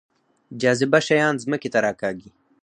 جاذبه شیان ځمکې ته راکاږي